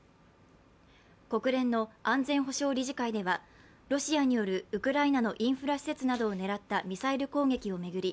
国連の安全保障理事会ではロシアによるウクライナのインフラ施設を狙ったミサイル攻撃を巡り